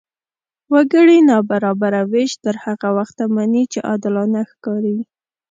وګړي نابرابره وېش تر هغه وخته مني، چې عادلانه ښکاري.